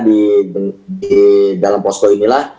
di dalam posko inilah